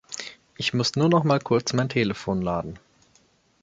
Ich muss nur noch mal kurz mein Telefon laden.